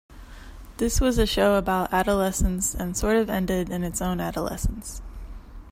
This was a show about adolescence and sort of ended in its own adolescence.